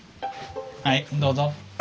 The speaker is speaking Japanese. はいどうぞ。